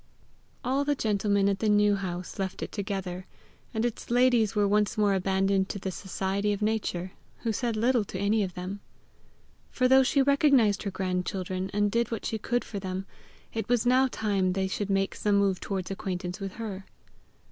All the gentlemen at the New House left it together, and its ladies were once more abandoned to the society of Nature, who said little to any of them. For, though she recognized her grandchildren, and did what she could for them, it was now time they should make some move towards acquaintance with her.